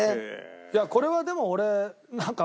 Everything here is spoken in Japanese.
いやこれはでも俺なんか。